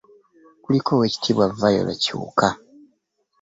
Kuliko Oweekitiibwa Viola Kiwuka